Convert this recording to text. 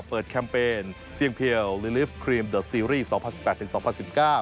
แคมเปญเสี่ยงเพียวลิฟต์ครีมเดอร์ซีรีส์สองพันสิบแปดถึงสองพันสิบเก้า